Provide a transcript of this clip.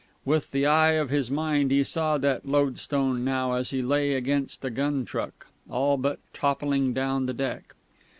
With the eye of his mind he saw that loadstone now as he lay against a gun truck, all but toppling down the deck.